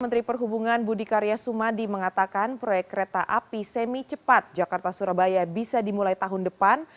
menteri perhubungan budi karya sumadi mengatakan proyek kereta api semi cepat jakarta surabaya bisa dimulai tahun depan